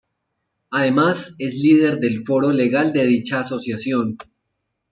Además, es líder del Foro Legal de dicha asociación.